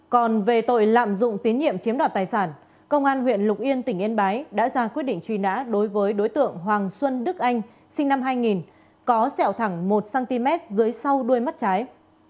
còn về tội lạm dụng tín nhiệm chiếm đoạt tài sản công an huyện lục yên tỉnh yên bái đã ra quyết định truy nã đối với đối tượng hoàng xuân đức anh sinh năm hai nghìn có sẹo thẳng một cm dưới sau đuôi mắt trái